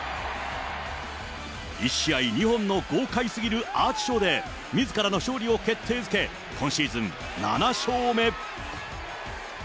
１試合２本の豪快すぎるアーチショーで、みずからの勝利を決定づけ、今シーズン７勝目。